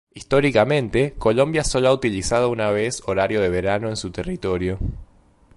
Históricamente, Colombia sólo ha utilizado una vez horario de verano en su territorio.